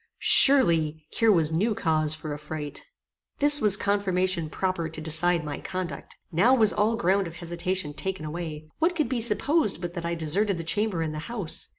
Surely, here was new cause for affright. This was confirmation proper to decide my conduct. Now was all ground of hesitation taken away. What could be supposed but that I deserted the chamber and the house?